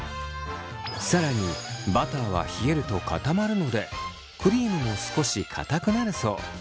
更にバターは冷えると固まるのでクリームも少しかたくなるそう。